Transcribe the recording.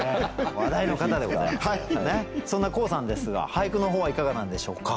そんな黄さんですが俳句の方はいかがなんでしょうか？